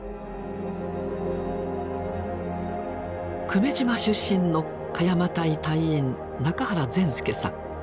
久米島出身の鹿山隊隊員仲原善助さん。